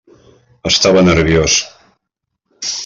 Estava nerviós.